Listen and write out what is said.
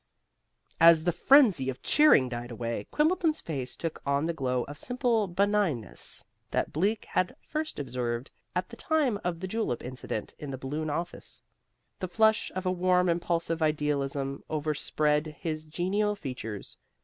As the frenzy of cheering died away, Quimbleton's face took on the glow of simple benignance that Bleak had first observed at the time of the julep incident in the Balloon office. The flush of a warm, impulsive idealism over spread his genial features.